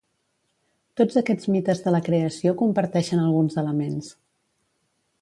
Tots aquests mites de la creació comparteixen alguns elements.